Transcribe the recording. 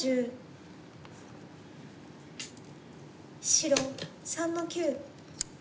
白３の九。